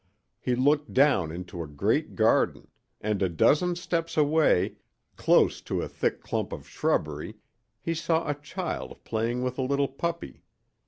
He looked down into a great garden, and a dozen steps away, close to a thick clump of shrubbery, he saw a child playing with a little puppy.